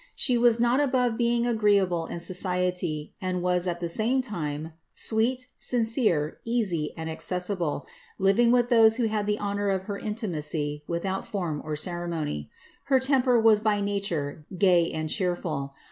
She was not above being agreeable in society, ind was, at the same time, sweet, sincere, easy, and accessible, living with those who had the honour of her intimacy without form or oeie mony. Her temper was by nature gay and cheerful.